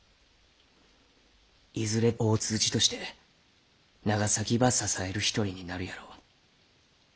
いずれ大通詞として長崎ば支える一人になるやろう。